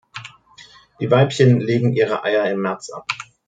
Die Weibchen legen ihre Eier im März ab.